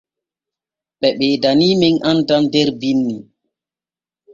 Ɓe ɓeedaniimen annal der binni.